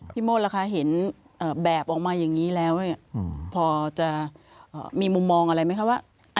โมดล่ะคะเห็นแบบออกมาอย่างนี้แล้วพอจะมีมุมมองอะไรไหมคะว่า